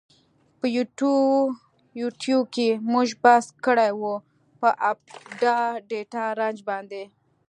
په یوټیو کی مونږ بحث کړی وه په آپډا ډیټا رنج باندی.